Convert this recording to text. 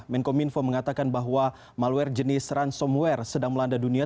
menkominfo mengatakan bahwa malware jenis ransomware sedang melanda dunia